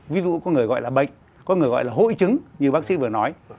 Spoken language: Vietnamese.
ví dụ có người gọi là bệnh có người gọi là hội chứng như bác sĩ vừa nói